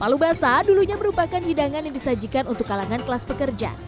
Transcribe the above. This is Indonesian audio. palu basah dulunya merupakan hidangan yang disajikan untuk kalangan kelas pekerja